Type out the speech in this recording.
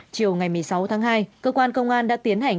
chiều ngày một mươi sáu tháng hai cơ quan công an đã tiến hành